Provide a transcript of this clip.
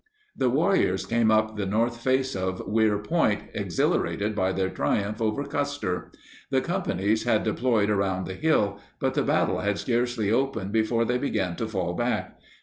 The warriors came up the north face of Weir Point, exhilarated by their triumph over Custer. The companies had deployed around the hill, but the battle had scarcely opened before they began to fall back.